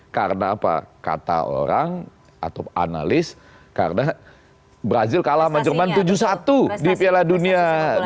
karena apa kata orang atau analis karena brazil kalah mencermat tujuh puluh satu di piala dunia dua ribu empat belas